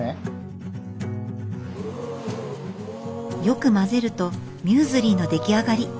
よく混ぜるとミューズリーの出来上がり。